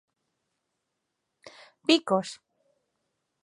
Bicos.